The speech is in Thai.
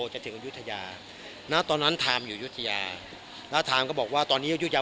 จะถึงอายุทยาณตอนนั้นไทม์อยู่ยุธยาแล้วไทม์ก็บอกว่าตอนนี้อายุยาว